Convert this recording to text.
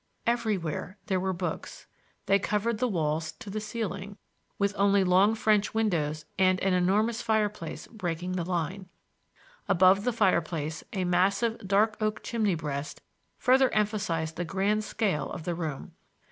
Everywhere there were books; they covered the walls to the ceiling, with only long French windows and an enormous fireplace breaking the line. Above the fireplace a massive dark oak chimney breast further emphasized the grand scale of the room.